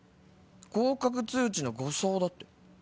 合格通知の誤送だって。